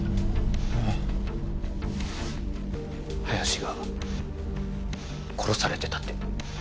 林が殺されてたって。